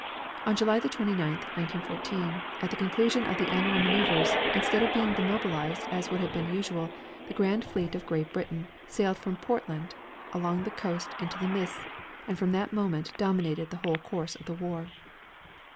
On July the 29th, 1914, at the conclusion of the annual maneuvers, instead of being demobilized as would have been usual, the Grand Fleet of Great Britain sailed from Portland along the coast into the mists, and from that moment dominated the whole course of the war.